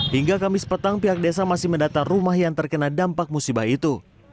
hingga kamis petang pihak desa masih mendata rumah yang terkena dampak musibah itu